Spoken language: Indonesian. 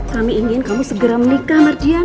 kami ingin kamu segera menikah mardian